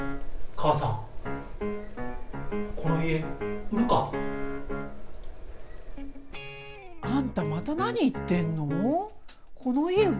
母さん、この家、売るか？あんたまた何言ってんの？